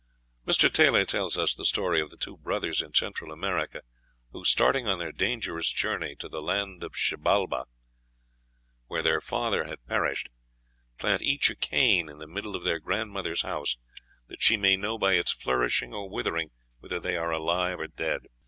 Mr. Tylor tells us the story of the two brothers in Central America who, starting on their dangerous journey to the land of Xibalba, where their father had perished, plant each a cane in the middle of their grandmother's house, that she may know by its flourishing or withering whether they are alive or dead.